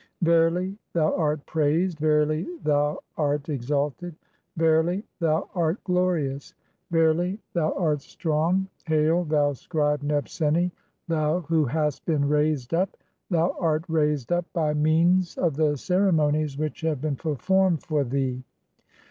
Verily, thou art praised ; "verily, thou art exalted ; verily, thou art glorious ; verily, thou THE CHAPTER OF PRAISINGS. 3 l 7 "art strong. Hail, thou scribe Nebseni, thou who hast been raised "up, (9) thou art raised up by means of the ceremonies which "have been performed for thee.